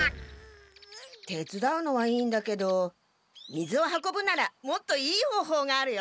てつだうのはいいんだけど水を運ぶならもっといいほうほうがあるよ。